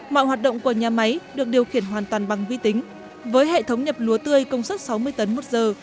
mọi hoạt động của nhà máy được điều khiển hoàn toàn bằng vi tính với hệ thống nhập lúa tươi công suất sáu mươi tấn một giờ